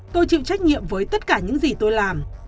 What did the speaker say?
tôi chịu trách nhiệm với tất cả những gì tôi làm